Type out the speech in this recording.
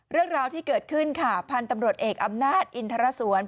เรื่องราวที่เกิดขึ้นค่ะพันธุ์ตำรวจเอกอำนาจอินทรสวน